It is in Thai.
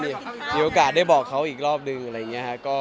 มีโอกาสได้บอกเขาอีกรอบนึงอะไรอย่างนี้ครับ